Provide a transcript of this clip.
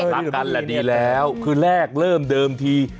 รักกันแหละดีแล้วคือแรกเริ่มเดิมที